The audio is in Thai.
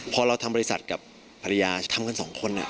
พอเราทำบริษัทกับภรรยาทำกันสองคน